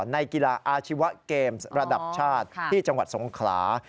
ในกีฬาอาชีวะเกมส์ระดับชาติที่จังหวัดสงขลา